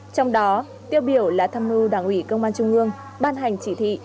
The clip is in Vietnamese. trong đó tiêu biểu là tham mưu đảng ủy công an trung ương ban hành chỉ thị